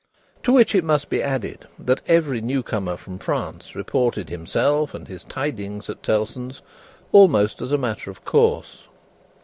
To which it must be added that every new comer from France reported himself and his tidings at Tellson's, almost as a matter of course.